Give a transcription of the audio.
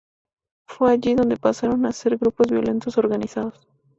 Fue allí donde pasaron a ser grupos violentos organizados.